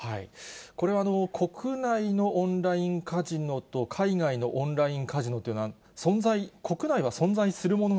これは国内のオンラインカジノと海外のオンラインカジノというのは、国内は存在するもの